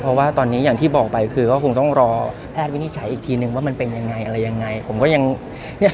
เพราะว่าตอนนี้อย่างที่บอกไปคือคงต้องรอแพทย์วินิจัยอีกทีหนึ่งว่ามันเป็นยังไงหรือยังไง